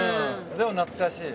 でも懐かしい。